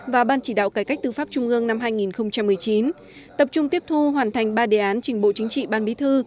và ban chỉ đạo cải cách tư pháp trung ương năm hai nghìn một mươi chín tập trung tiếp thu hoàn thành ba đề án trình bộ chính trị ban bí thư